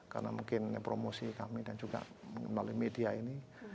karena mungkin promosi kami dan juga melalui media ini